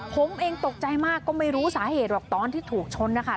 ผมเองตกใจมากก็ไม่รู้สาเหตุหรอกตอนที่ถูกชนนะคะ